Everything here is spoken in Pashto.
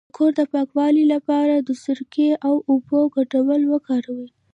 د کور د پاکوالي لپاره د سرکې او اوبو ګډول وکاروئ